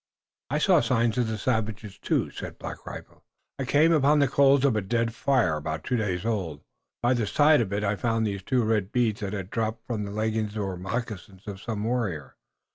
"I saw sign of the savages too," said Black Rifle. "I came upon the coals of a dead fire about two days' old. By the side of it I found these two red beads that had dropped from the leggings or moccasins of some warrior.